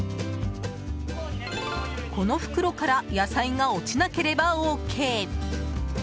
この袋から野菜が落ちなければＯＫ！